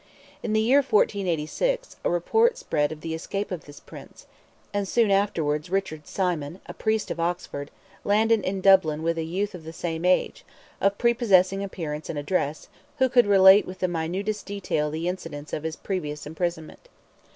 In the year 1486, a report spread of the escape of this Prince, and soon afterwards Richard Symon, a Priest of Oxford, landed in Dublin with a youth of the same age, of prepossessing appearance and address, who could relate with the minutest detail the incidents of his previous imprisonment.